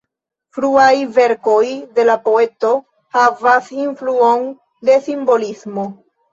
Fruaj verkoj de la poeto havas influon de simbolismo.